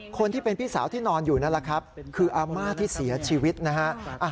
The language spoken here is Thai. คนที่เป็นพี่สาวที่นอนอยู่นั่นแหละครับคืออาม่าที่เสียชีวิตนะฮะ